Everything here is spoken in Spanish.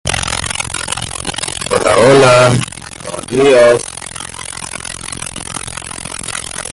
Los mecanismos de prevención están bien descritos.